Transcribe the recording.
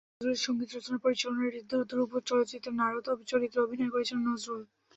নজরুলের সংগীত রচনা, পরিচালনায় ঋদ্ধ ধ্রুব চলচ্চিত্রের নারদ চরিত্রে অভিনয় করেছিলেন নজরুল।